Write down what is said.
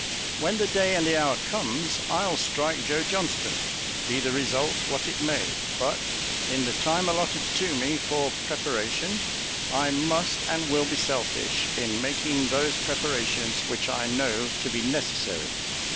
When the day and the hour comes, I'll strike Joe Johnston, be the result what it may; but in the time allotted to me for preparation I must and will be selfish in making those preparations which I know to be necessary.